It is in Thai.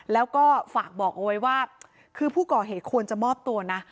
แล้วก็ฝากบอกเอาไว้ว่าคือผู้ก่อเหตุควรจะมอบตัวนะ